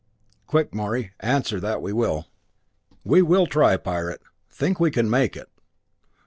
"Quick, Morey answer that we will." "We will try, Pirate think we can make it!"